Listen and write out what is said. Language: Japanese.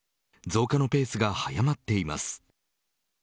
増加のペースが早まっています。